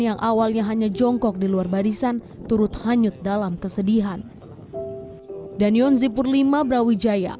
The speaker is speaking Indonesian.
yang awalnya hanya jongkok di luar barisan turut hanyut dalam kesedihan dan yonzipur v brawijaya